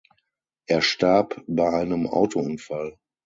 Er starb bei einem Autounfall.